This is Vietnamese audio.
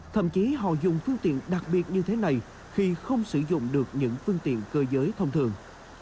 thậm chí họ dùng phương tiện đặc biệt như thế này khi không sử dụng được những phương tiện cơ giới thông thường